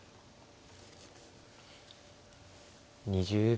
２０秒。